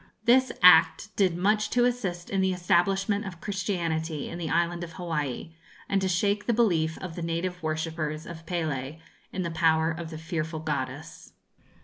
This act did much to assist in the establishment of Christianity in the Island of Hawaii, and to shake the belief of the native worshippers of Pélé in the power of the fearful goddess.